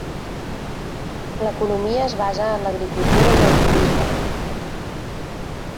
L'economia es basa en l'agricultura i el turisme.